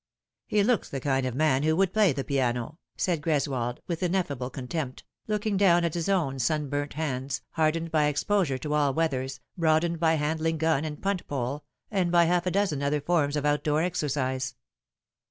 " He looks the kind of man who would play the piano," said Greswold, with ineffable contempt, looking down at his own sunburnt hands, hardened by exposure to all weathers, broadened by handling gun and punt pole, and by half a dozen other forms of out door exercise.